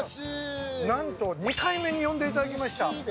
何と２回目に呼んでいただきました。